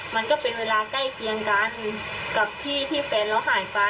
มันก็เป็นเวลาใกล้เคียงกันกับที่ที่แฟนเราหายไป